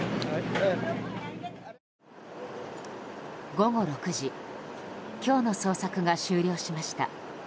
午後６時今日の捜索が終了しました。